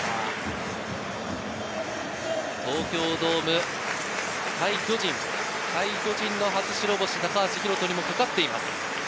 東京ドーム、対巨人、対巨人の初白星、高橋宏斗かかっています。